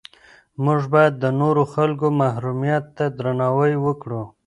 موږ باید د نورو خلکو محرمیت ته درناوی وکړو.